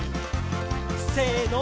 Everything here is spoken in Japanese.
せの。